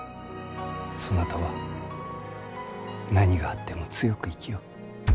そなたは何があっても強く生きよ。